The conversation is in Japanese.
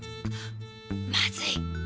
まずい。